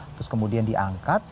terus kemudian diangkat